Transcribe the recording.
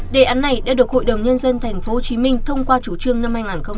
đề án này đã được hội đồng nhân dân tp hcm thông qua chủ trương năm hai nghìn một mươi chín